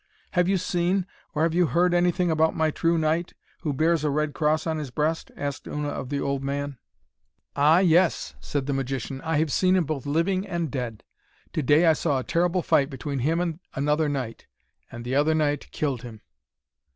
'Have you seen, or have you heard anything about my true knight, who bears a red cross on his breast?' asked Una of the old man. 'Ah yes,' said the magician, 'I have seen him both living and dead. To day I saw a terrible fight between him and another knight, and the other knight killed him.'